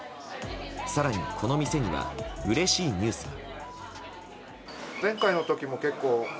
更に、この店にはうれしいニュースが。